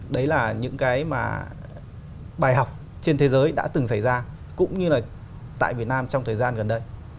đấy là những cái mà bài học trên thế giới đã từng xảy ra cũng như là tại việt nam trong thời gian gần đây